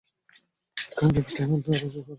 বিজ্ঞানের ব্যাপারটাই এমন, ধারণা করা।